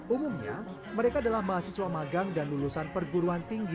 umumnya mereka adalah mahasiswa magang dan lulusan perguruan tinggi